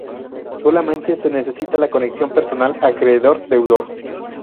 Solamente se necesita la conexión personal acreedor-deudor.